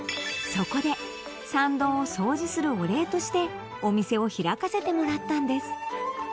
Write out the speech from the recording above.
そこで参道を掃除するお礼としてお店を開かせてもらったんです